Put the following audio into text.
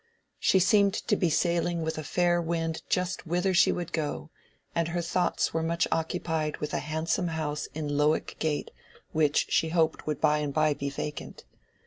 She seemed to be sailing with a fair wind just whither she would go, and her thoughts were much occupied with a handsome house in Lowick Gate which she hoped would by and by be vacant.